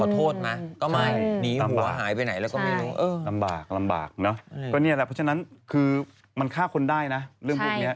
เพราะฉะนั้นคือมันฆ่าคนได้นะเรื่องพวกนี้